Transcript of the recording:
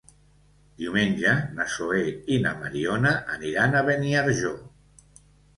Diumenge na Zoè i na Mariona aniran a Beniarjó.